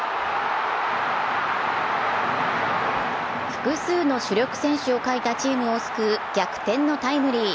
複数の主力選手を欠いたピンチを救う逆転のタイムリー。